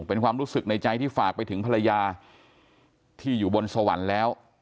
เป็นความรู้สึกในใจที่ฝากไปถึงภรรยาที่อยู่บนสวรรค์แล้ว